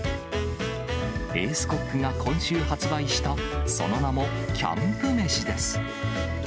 エースコックが今週発売した、その名もキャンプ飯です。